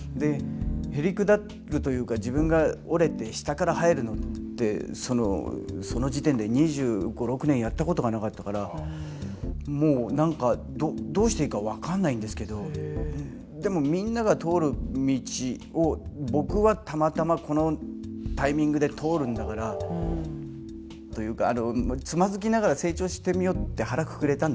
へりくだるというか自分が折れて下から入るのってその時点で２５２６年やったことがなかったからもう何かどうしていいか分かんないんですけどでもみんなが通る道を僕はたまたまこのタイミングで通るんだからというかそっか。